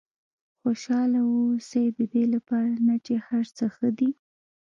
خوشاله واوسئ ددې لپاره نه چې هر څه ښه دي.